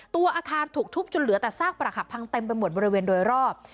ตัวอาคารถูกทุบจนเหลือแต่ซากประหักพังเต็มไปหมดบริเวณโดยรอบ